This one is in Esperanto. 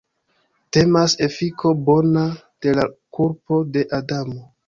Temas efiko bona de la kulpo de Adamo.